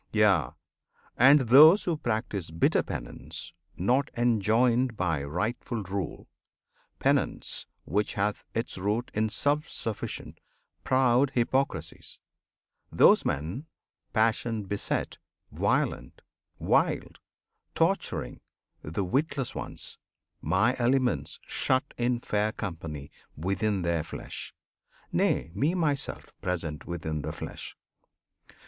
[FN#35] Yea, and those Who practise bitter penance, not enjoined By rightful rule penance which hath its root In self sufficient, proud hypocrisies Those men, passion beset, violent, wild, Torturing the witless ones My elements Shut in fair company within their flesh, (Nay, Me myself, present within the flesh!)